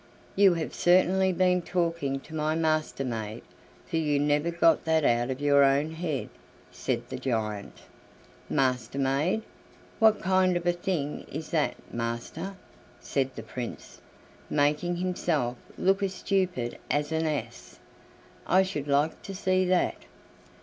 "You have certainly been talking to my Master maid, for you never got that out of your own head," said the giant. "Master maid! What kind of a thing is that, master?" said the Prince, making himself look as stupid as an ass; "I should like to see that."